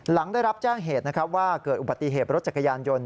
หลังได้รับแจ้งเหตุนะครับว่าเกิดอุบัติเหตุรถจักรยานยนต์